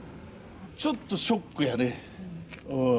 ちょっとショックやね。